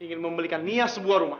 ingin membelikan nias sebuah rumah